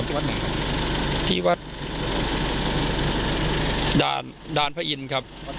ที่วัฒนธุ์ดานพระอินทร์ครับ